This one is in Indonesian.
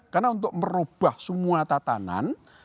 karena untuk merubah semua tatanan